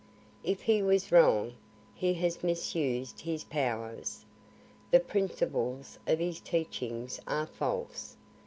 If he was wrong, he has misused his powers. The principles of his teachings are false.